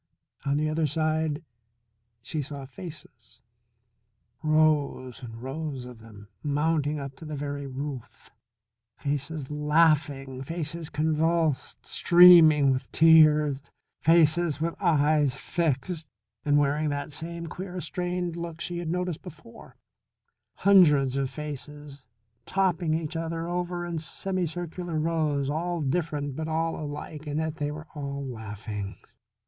On the other side she saw faces, rows and rows of them mounting up to the very roof. Faces laughing; faces convulsed, streaming with tears; faces with eyes fixed and wearing that same queer, strained look she had noticed before; hundreds of faces topping each other in semicircular rows, all different but all alike in that they were all laughing.